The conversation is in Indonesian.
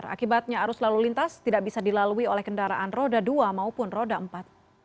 akibatnya arus lalu lintas tidak bisa dilalui oleh kendaraan roda dua maupun roda empat